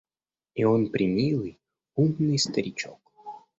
И он премилый, умный старичок.